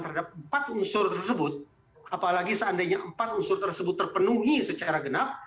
terhadap empat unsur tersebut apalagi seandainya empat unsur tersebut terpenuhi secara genap